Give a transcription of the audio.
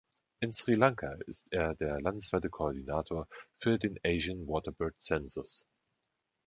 In Sri Lanka ist er der landesweite Koordinator für den Asian Waterbird Census.